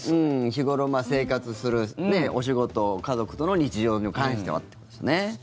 日頃生活するお仕事、家族との日常に関してはってことですね。